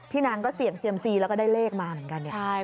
นางก็เสี่ยงเซียมซีแล้วก็ได้เลขมาเหมือนกันเนี่ย